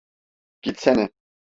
Gitsene!